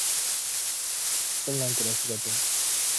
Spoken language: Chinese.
有关康特勒琴的相关记载最早出现在芬兰古代诗歌中。